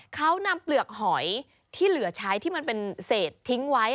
เขานำเปลือกหอยที่เหลือใช้ที่มันเป็นเศษทิ้งไว้